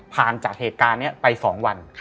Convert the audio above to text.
ผ่านจากเหตุการณ์เนี้ยไปสองวัน